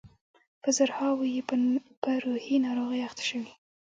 په زرهاوو یې په روحي ناروغیو اخته شوي.